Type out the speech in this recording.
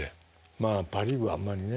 まあパ・リーグはあんまりね。